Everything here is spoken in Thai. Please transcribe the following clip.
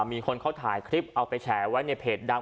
มีคนเขาถ่ายคลิปเอาไปแฉไว้ในเพจดัง